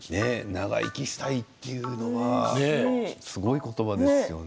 長生きしたいというのはすごい言葉ですね。